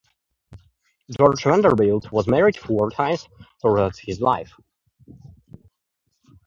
George Vanderbilt was married four times throughout his life.